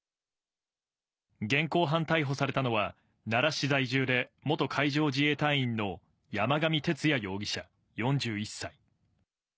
現行犯逮捕されたのは、奈良市在住で、元海上自衛隊員の山上徹也容疑者４１歳。